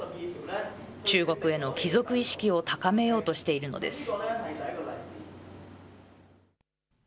中国への帰属意識を高めようとしているのです。